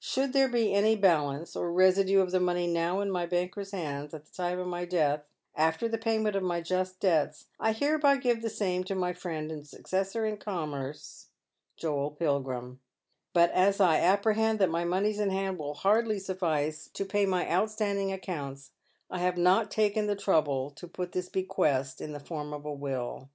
Should there be any balance, or residue of the money now in my banker's hands, at the time of my death, after the payment of my just debts, I hereby give the same to my friend and successor in commerce, Joel Pilgrim ; but as I apprehend that my moneys in hand will hardly sufiice to pay my outstanding accounts, I have not taken the trouble to put this bequest in the form of a will.